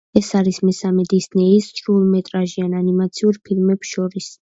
ეს არის მესამე დისნეის სრულმეტრაჟიან ანიმაციურ ფილმებს შორის.